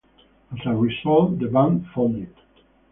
As a result the band folded.